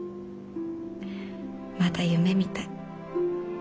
まだ夢みたい。